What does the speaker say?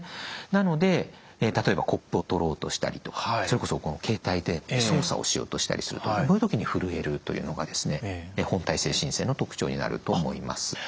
なので例えばコップを取ろうとしたりとかそれこそこの携帯で操作をしようとしたりするとこういう時にふるえるというのが本態性振戦の特徴になると思います。